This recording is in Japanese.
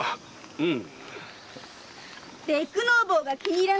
うん。